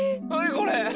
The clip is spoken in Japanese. これ。